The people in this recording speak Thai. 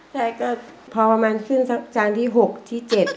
ใช่ก็พอประมาณขึ้นสักจานที่๖ที่๗